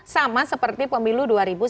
sama seperti pemilu dua ribu sembilan belas